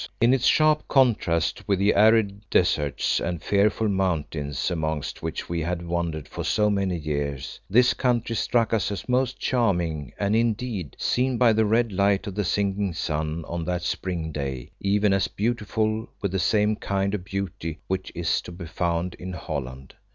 In its sharp contrast with the arid deserts and fearful mountains amongst which we had wandered for so many years, this country struck us as most charming, and indeed, seen by the red light of the sinking sun on that spring day, even as beautiful with the same kind of beauty which is to be found in Holland.